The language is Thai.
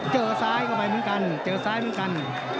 เจอซ้ายก็ไปเหมือนกัน